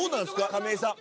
亀井さん。